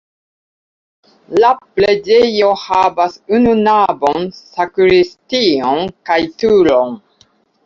La preĝejo havas unu navon, sakristion kaj turon.